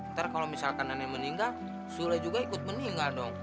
ntar kalau misalkan nenek meninggal sudah juga ikut meninggal dong